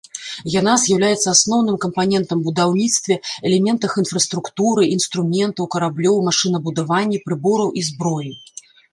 Яна з'яўляецца асноўным кампанентам у будаўніцтве, элементах інфраструктуры, інструментаў, караблёў, машынабудаванні, прыбораў і зброі.